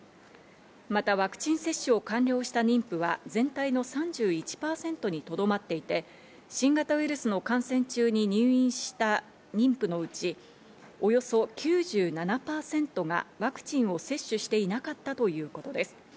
また、ワクチン接種を完了した妊婦は全体の３１％にとどまっていて、新型ウイルスの感染中に入院した妊婦のうち、およそ９７％がワクチンを接種していなかったということです。